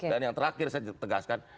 dan yang terakhir saya tegaskan